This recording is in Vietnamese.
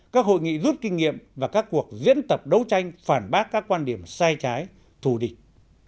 các hội nghị rút kinh nghiệm và các cuộc diễn tập đấu tranh phản bác các quan điểm sai trái thù địch